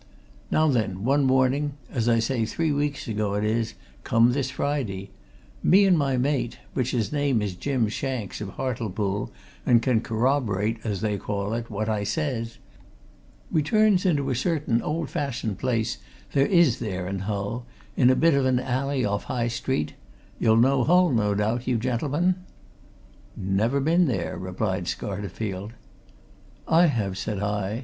Now then one morning as I say, three weeks ago it is, come this Friday me and my mate, which his name is Jim Shanks, of Hartlepool, and can corrob'rate, as they call it, what I says we turns into a certain old fashioned place there is there in Hull, in a bit of an alley off High Street you'll know Hull, no doubt, you gentlemen?" "Never been there," replied Scarterfield. "I have," said I.